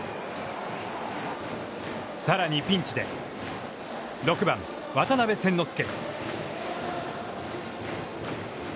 さらにピンチで、６番渡邉千之亮。